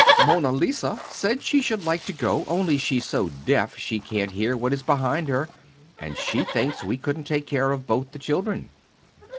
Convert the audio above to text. "Monna Lisa said she should like to go, only she's so deaf she can't hear what is behind her, and she thinks we couldn't take care of both the children."